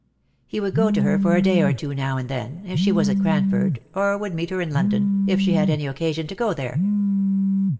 He would go to her for a day or two now and then, if she was at Cran ford, or would meet her in London, if she had any occasion to go there.